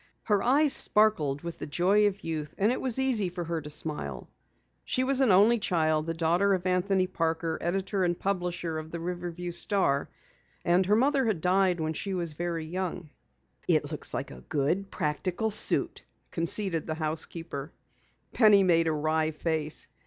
Her eyes sparkled with the joy of youth and it was easy for her to smile. She was an only child, the daughter of Anthony Parker, editor and publisher of the Riverview Star, and her mother had died when she was very young. "It looks like a good, practical suit," conceded the housekeeper. Penny made a wry face.